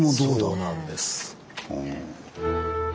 そうなんです。